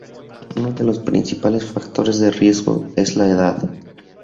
Uno de los principales factores de riesgo es la edad.